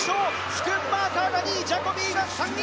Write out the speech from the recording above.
スクンマーカーが２位ジャコビーが３位。